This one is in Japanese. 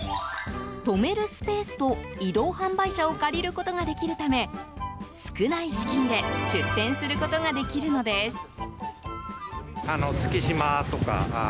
止めるスペースと移動販売車を借りることができるため少ない資金で出店することができるのです。